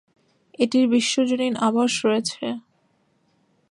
এটির বিশ্বজনীন আবাস রয়েছে।